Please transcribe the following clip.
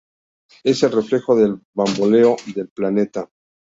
Es el reflejo del bamboleo del planeta.